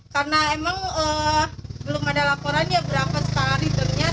karena emang belum ada laporan ya berapa sekali ternyata